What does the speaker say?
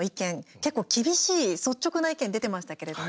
結構、厳しい率直な意見出てましたけれども。